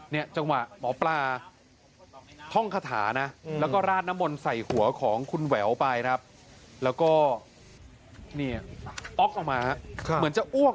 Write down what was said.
จังหวะหมอปลาท่องคาถานะแล้วก็ราดน้ำมนต์ใส่หัวของคุณแหววไปครับแล้วก็เนี่ยอ๊อกออกมาเหมือนจะอ้วก